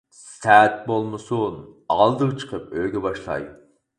«سەت بولمىسۇن، ئالدىغا چىقىپ ئۆيگە باشلاي» .